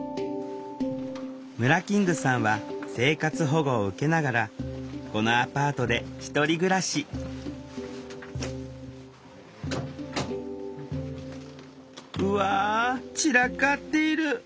ムラキングさんは生活保護を受けながらこのアパートで１人暮らしうわ散らかっている。